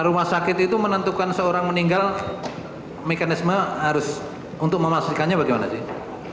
rumah sakit itu menentukan seorang meninggal mekanisme harus untuk memastikannya bagaimana sih